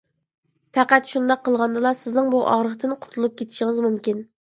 پەقەت شۇنداق قىلغاندىلا سىزنىڭ بۇ ئاغرىقتىن قۇتۇلۇپ كېتىشىڭىز مۇمكىن.